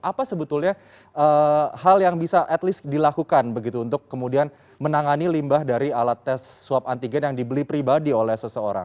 apa sebetulnya hal yang bisa at least dilakukan begitu untuk kemudian menangani limbah dari alat tes swab antigen yang dibeli pribadi oleh seseorang